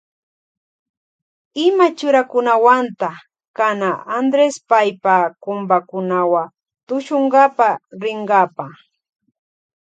Ima churakunawanta kana Andres paypa kumpakunawa tushunkapa rinkapa.